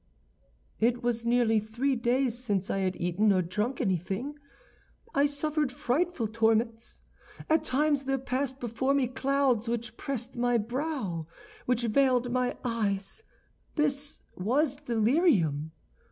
"It was nearly three days since I had eaten or drunk anything. I suffered frightful torments. At times there passed before me clouds which pressed my brow, which veiled my eyes; this was delirium.